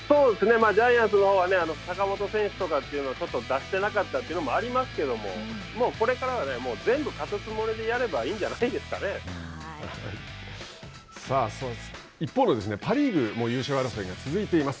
まあジャイアンツのほうは坂本選手とかというのをちょっと出してなかったということもありますけれどももうこれからは全部勝つつもりでさあ一方のパ・リーグも優勝争いが続いています。